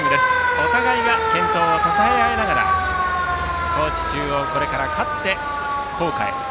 お互いが健闘をたたえあいながら高知中央、これから勝って校歌へ。